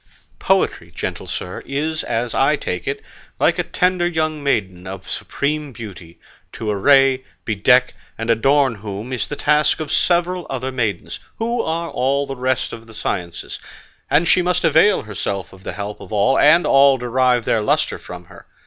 Poetry, gentle sir, is, as I take it, like a tender young maiden of supreme beauty, to array, bedeck, and adorn whom is the task of several other maidens, who are all the rest of the sciences; and she must avail herself of the help of all, and all derive their lustre from her.